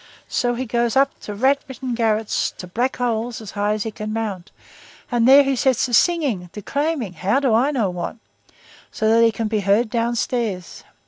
So he goes up to rat ridden garrets, to black holes, as high as he can mount, and there he sets to singing, declaiming, how do I know what? so that he can be heard downstairs!